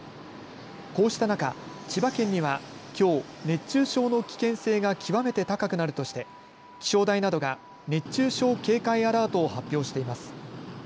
こうした中、千葉県には、きょう熱中症の危険性が極めて高くなるとして気象台などが熱中症警戒アラートを発表しています。